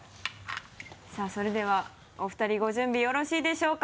さぁそれではお二人ご準備よろしいでしょうか？